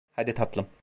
Hadi tatlım.